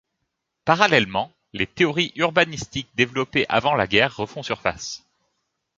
Parallèlement, les théories urbanistiques développées avant la guerre refont surface.